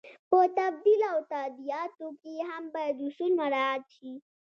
په تبدیل او تادیاتو کې هم باید اصول مراعت شي.